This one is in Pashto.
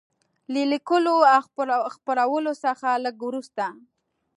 له لیکلو او خپرولو څخه لږ وروسته.